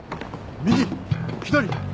右左！